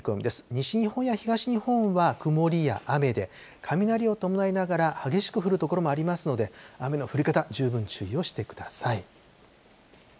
西日本や東日本は曇りや雨で、雷を伴いながら、激しく降る所もありますので、雨の降り方、十分注意をしてください。